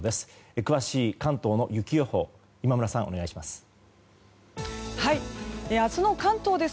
詳しい関東の雪予報今村さん、お願いします。